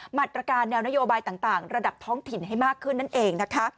มาตรการแนวนโยบายต่างระดับท้องถิ่นให้มากขึ้นนั่นเองนะคะ